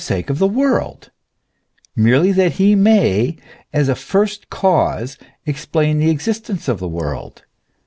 sake of the world, merely that he may, as a First Cause, explain the existence of the world.